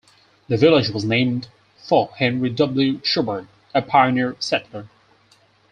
The village was named for Henry W. Shubert, a pioneer settler.